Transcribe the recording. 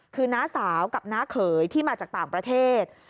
คือน้าสาวกับน้าเขยที่มาจากต่างประเทศ